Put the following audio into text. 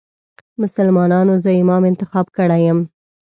مسلمانانو زه امام انتخاب کړی یم.